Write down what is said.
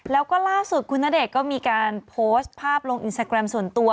แล้วก็ล่าสุดคุณณเดชน์ก็มีการโพสต์ภาพลงอินสตาแกรมส่วนตัว